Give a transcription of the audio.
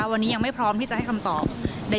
วันนี้ยังไม่พร้อมที่จะให้คำตอบ